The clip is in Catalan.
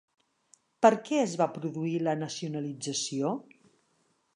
Per què es va produir la nacionalització?